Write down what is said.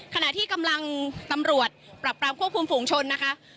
ขณะที่กำลังตำรวจปรับปรามควบคุมฝูงชนนะคะ